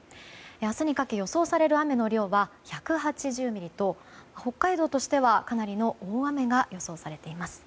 明日にかけ予想される雨の量は１８０ミリと北海道としては、かなりの大雨が予想されています。